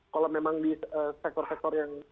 kalau memang di sektor sektor yang